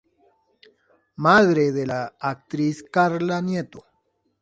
Madre de la actriz Carla Nieto.